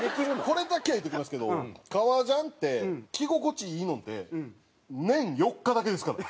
これだけは言うときますけど革ジャンって着心地いいのって年４日だけですから。